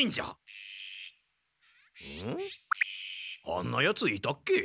あんなヤツいたっけ？